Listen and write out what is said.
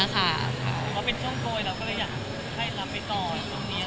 หรือว่าเป็นช่วงโกยเราก็เลยอยากให้รับไปต่อ